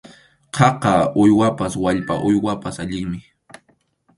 Khaka uywaypas wallpa uywaypas allinmi.